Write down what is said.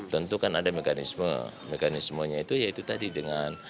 tentu kan ada mekanisme mekanismenya itu yaitu tadi dengan